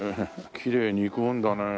きれいにいくもんだね。